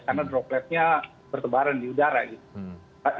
karena dropletnya berkebaran di udara gitu